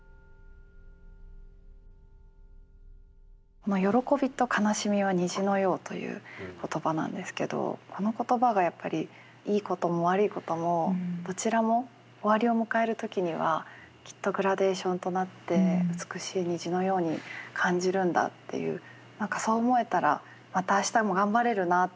この「よろこびとかなしみはにじのよう」という言葉なんですけどこの言葉がやっぱりいいことも悪いこともどちらも終わりを迎える時にはきっとグラデーションとなって美しい虹のように感じるんだっていう何かそう思えたらまた明日も頑張れるなって。